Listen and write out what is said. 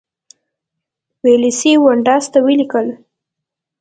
ویلسلي ډونډاس ته ولیکل.